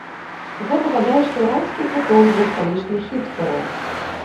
Гэта, бадай што, райскі куток для сталічных хіпстараў.